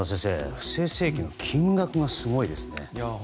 不正請求の金額がすごいですね。